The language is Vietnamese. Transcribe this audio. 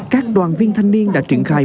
các đoàn viên thanh niên đã triển khai